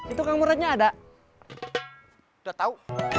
itu kamu renyah ada udah tahu